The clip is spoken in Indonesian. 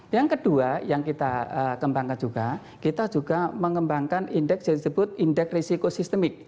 yang kedua yang kita kembangkan juga kita juga mengembangkan indeks yang disebut indeks risiko sistemik